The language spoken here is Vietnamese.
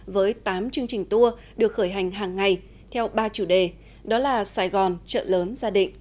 với tám chương trình tour được khởi hành hàng ngày theo ba chủ đề đó là sài gòn trợ lớn gia định